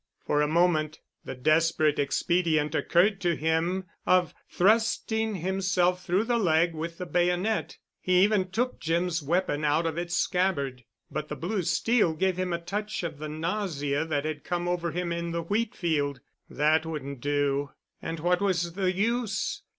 For a moment the desperate expedient occurred to him of thrusting himself through the leg with the bayonet. He even took Jim's weapon out of its scabbard. But the blue steel gave him a touch of the nausea that had come over him in the wheat field.... That wouldn't do. And what was the use?